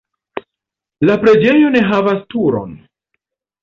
La preĝejo ne havas turon.